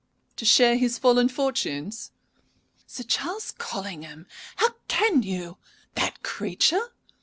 "To share his fallen fortunes?" "Sir Charles Collingham! How can you? That creature!"